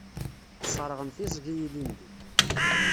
Sserɣen tiẓgi ilindi.